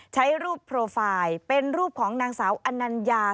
ใช้รูปโปรไฟล์เป็นรูปของนางสาวอนัญญา